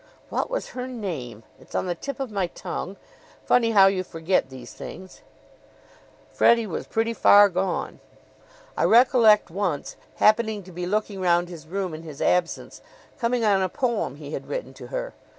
"What was her name? It's on the tip of my tongue. Funny how you forget these things! Freddie was pretty far gone. I recollect once, happening to be looking round his room in his absence, coming on a poem he had written to her.